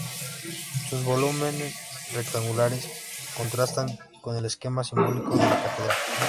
Sus volumen rectangulares contrastan con el esquema simbólico de la catedral.